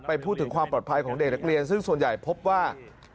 พูดถึงความปลอดภัยของเด็กนักเรียนซึ่งส่วนใหญ่พบว่า